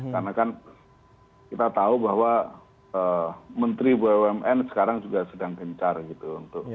karena kan kita tahu bahwa menteri bumn sekarang juga sedang gencar gitu